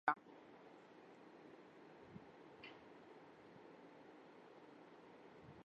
ادارہ برائے تعلیم وتحقیق کا پلیٹ فارم اس کاز کے لئے بنایا گیا۔